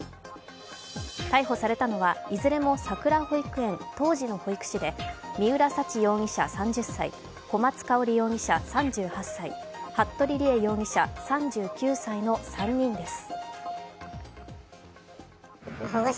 逮捕されたのは、いずれもさくら保育園、当時の保育士で三浦沙知容疑者３０歳、小松香織容疑者３８歳、服部理江容疑者３９歳の３人です。